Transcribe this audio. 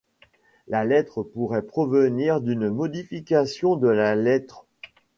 La lettre pourrait provenir d'une modification de la lettre Ⱁ.